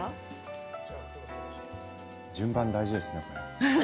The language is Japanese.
順番、大事ですねこれ。